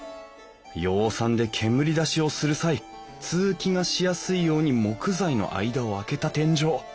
養蚕で煙出しをする際通気がしやすいように木材の間をあけた天井。